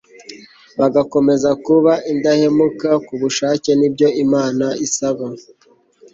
bagakomeza kuba indahemuka ku bushake n'ibyo imana isaba